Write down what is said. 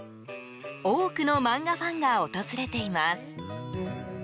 多くの漫画ファンが訪れています。